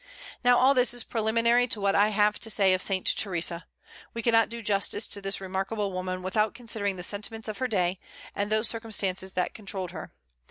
Now, all this is preliminary to what I have to say of Saint Theresa. We cannot do justice to this remarkable woman without considering the sentiments of her day, and those circumstances that controlled her.